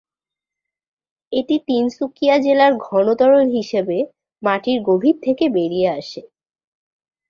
এটি তিনসুকিয়া জেলার ঘন তরল হিসাবে মাটির গভীর থেকে বেরিয়ে আসে।